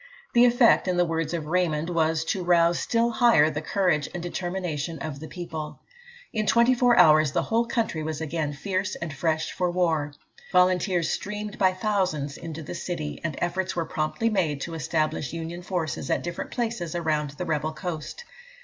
The effect, in the words of Raymond, was to rouse still higher the courage and determination of the people. In twenty four hours, the whole country was again fierce and fresh for war. Volunteers streamed by thousands into the army, and efforts were promptly made to establish Union forces at different places around the rebel coast.